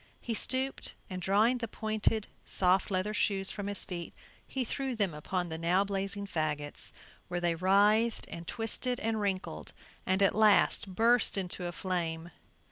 He stooped and drawing the pointed soft leather shoes from his feet, he threw them upon the now blazing fagots, where they writhed and twisted and wrinkled, and at last burst into a flame.